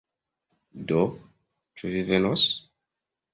Do, ĉu vi venos?